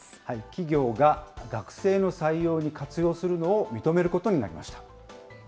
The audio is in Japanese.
企業が学生の採用に活用するのを認めることになりました。